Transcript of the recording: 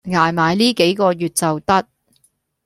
捱埋呢個月就得